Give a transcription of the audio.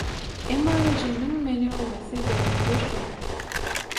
emma ejemiň meni öwmesi beýle-de dursun